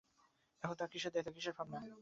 এখন তাহার কিসের দায়িত্ব, কিসের ভাবনা?